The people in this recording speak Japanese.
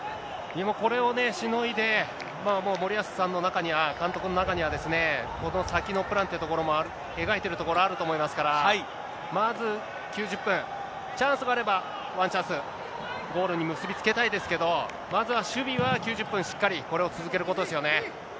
これをね、しのいで、森保さんの中には、監督の中には、この先のプランというところも描いてるところ、あると思いますから、まず９０分、チャンスがあれば、ワンチャンス、ゴールに結び付けたいですけど、まずは守備は９０分しっかり、これを続けることですよね。